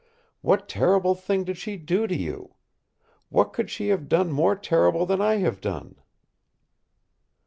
What terrible thing did she do to you? What could she have done more terrible than I have done?"